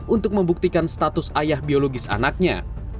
untuk membuktikan status ayah biologis anaknya